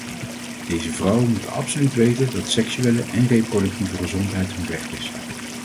Deze vrouwen moeten absoluut weten dat seksuele en reproductieve gezondheid hun recht is.